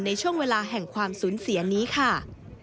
ในช่วงเวลาแห่งความสูญเสียนี้ค่ะ